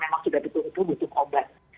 memang sudah betul betul butuh obat